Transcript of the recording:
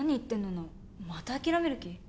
菜緒また諦める気？